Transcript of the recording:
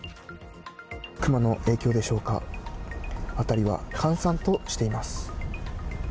クマの影響でしょうか辺りは閑散としています。